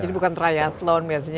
jadi bukan triathlon biasanya